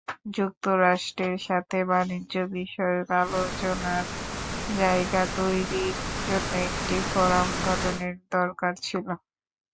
যুক্তরাষ্ট্রের সাথে বাণিজ্যবিষয়ক আলোচনার জায়গা তৈরির জন্য একটি ফোরাম গঠনের দরকার ছিল।